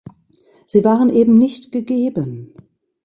Sie waren eben nicht gegeben.